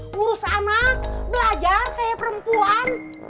ngurus anak belajar kayak perempuan